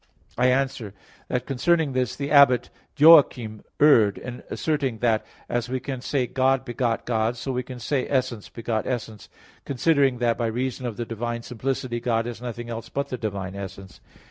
I answer that, Concerning this, the abbot Joachim erred in asserting that as we can say "God begot God," so we can say "Essence begot essence": considering that, by reason of the divine simplicity God is nothing else but the divine essence.